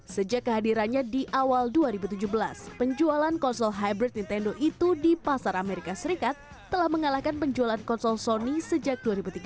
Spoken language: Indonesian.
sejak kehadirannya di awal dua ribu tujuh belas penjualan konsol hybrid nintendo itu di pasar amerika serikat telah mengalahkan penjualan konsol soni sejak dua ribu tiga belas